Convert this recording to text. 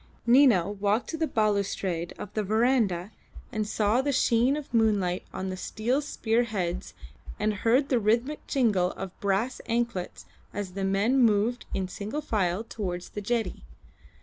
Nina walked to the balustrade of the verandah and saw the sheen of moonlight on the steel spear heads and heard the rhythmic jingle of brass anklets as the men moved in single file towards the jetty.